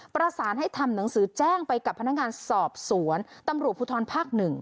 ประสานให้ทำหนังสือแจ้งไปกับพนักงานสอบสวนตำรวจภูทรภาค๑